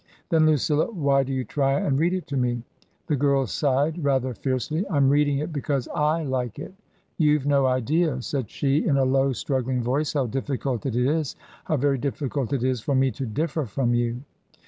" Then, Lucilla, why do you try and read it to me ?" The girl sighed rather fiercely. " I'm reading it because / like it. You've no idea," said she, in a low, struggling voice, " how difficult it is — how very difficult it is for me to differ from you."